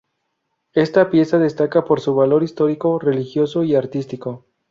Esta pieza destaca por su valor histórico, religioso y artístico.